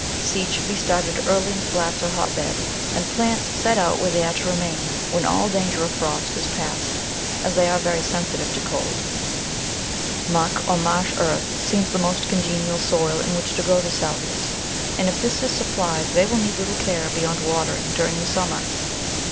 Seed should be started early in flats or hotbed, and plants set out where they are to remain, when all dan ger of frost is past, as they are very sensitive to cold. Muck or marsh earth seems the most congenial soil in which to grow the Salvias, and if this is supplied they will need little care beyond watering during the summer.